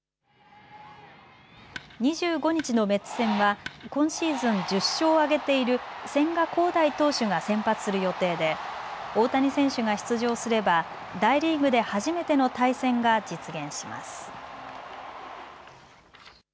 ２５日のメッツ戦は今シーズン１０勝を挙げている千賀滉大投手が先発する予定で大谷選手が出場すれば大リーグで初めての対戦が実現します。